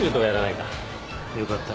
よかった。